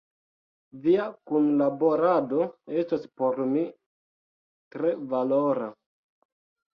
Via kunlaborado estos por mi tre valora.